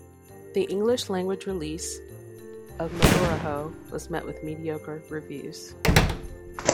The English language release of "Maburaho" was met with mediocre reviews.